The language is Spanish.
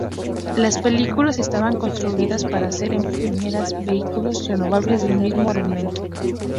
Las películas estaban construidas para ser efímeras, vehículos renovables de un mismo argumento.